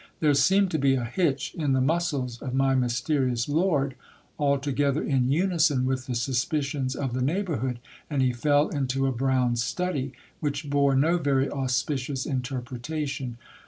There seemed to be a hitch in the muscles of my mysterious 78 GIL BLAS. lord, altogether in unison with the suspicions of the neighbourhood ; and he fell into a brown study, which bore no very auspicious interpretation.